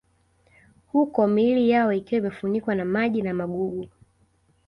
Huku miili yao ikiwa imefunikwa na maji na magugu